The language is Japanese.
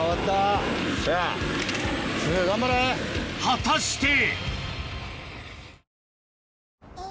果たして？